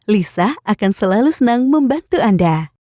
lisa akan selalu senang membantu anda